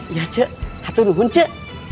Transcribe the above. iya cu hatunuhun cu